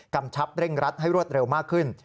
ชับเร่งรัดให้รวดเร็วมากขึ้น